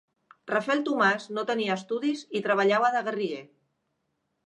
Rafel Tomàs no tenia estudis i treballava de garriguer.